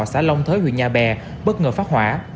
xã long thới huyện nhà bè bất ngờ phát hỏa